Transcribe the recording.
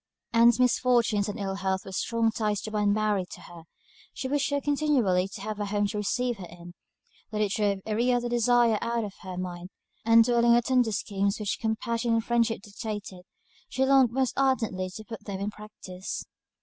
Ann's misfortunes and ill health were strong ties to bind Mary to her; she wished so continually to have a home to receive her in, that it drove every other desire out of her mind; and, dwelling on the tender schemes which compassion and friendship dictated, she longed most ardently to put them in practice.